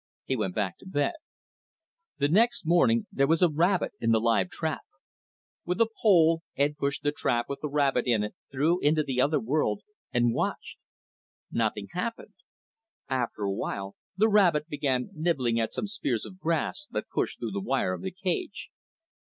He went back to bed. The next morning there was a rabbit in the live trap. With a pole, Ed pushed the trap with the rabbit in it through into the other world and watched. Nothing happened. After a while the rabbit began nibbling at some spears of grass that pushed through the wire of the cage.